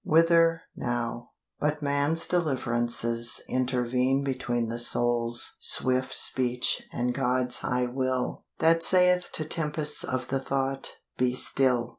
WHITHER NOW But man's deliverances intervene Between the soul's swift speech and God's high will; That saith to tempests of the thought, "Be still!"